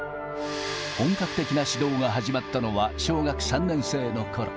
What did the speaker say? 本格的な指導が始まったのは小学３年生のころ。